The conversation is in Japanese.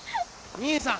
・兄さん！